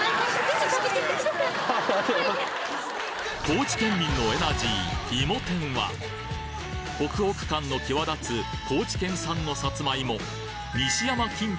高知県民のエナジーいも天はホクホク感の際立つ高知県産のサツマイモ西山きん